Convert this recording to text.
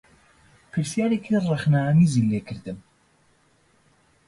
پرسیارێکی ڕخنەئامێزی لێ کردم